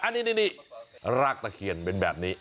อันนี้รากตะเคียนเป็นแบบนี้